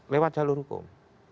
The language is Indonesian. lewat jalur hukum